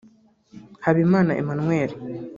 Habimana Emmanuel